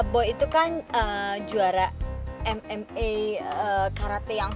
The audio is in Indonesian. boy itu kan juara mma karate yang